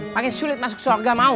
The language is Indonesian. pake sulit masuk seorga mau